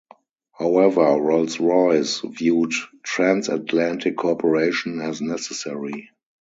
However, Rolls-Royce viewed transatlantic cooperation as necessary.